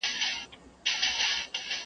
هسي نه ده چي نېستۍ ته برابر سو .